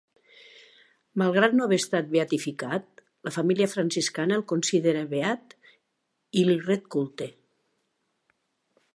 Malgrat no haver estat beatificat, la família franciscana el considera beat i li ret culte.